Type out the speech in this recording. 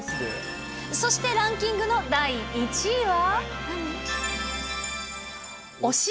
そしてランキングの第１位は。